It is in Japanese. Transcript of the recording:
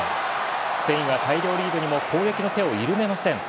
スペインは大量リードにも攻撃の手を緩めません。